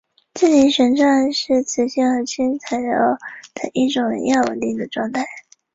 自旋玻璃是磁性合金材料的一种亚稳定的状态。